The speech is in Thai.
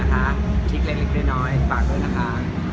คลิกเล็กเล็กเล็กน้อยฝากด้วยนะคะ